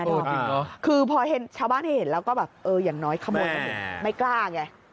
เออจริงเนอะคือพอชาวบ้านได้เห็นแล้วก็แบบอย่างน้อยขโมยกันหนึ่งไม่กล้าไง